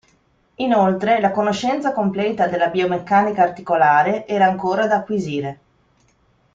Inoltre la conoscenza completa della biomeccanica articolare era ancora da acquisire.